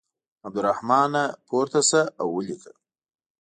عبدالرحمانه پورته شه او ولیکه.